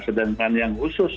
sedangkan yang khusus